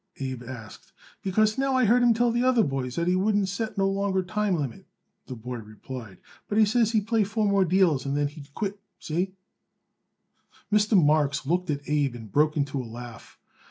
Abe asked. "Because, now, I heard him tell the other boys that he wouldn't set no longer time limit," the boy replied; "but he says he'd play four more deals and then he'd quit. See?" Mr. Marks looked at Abe and broke into a laugh.